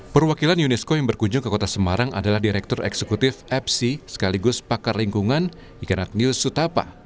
perwakilan unesco yang berkunjung ke kota semarang adalah direktur eksekutif epsi sekaligus pakar lingkungan ikan agnius sutapa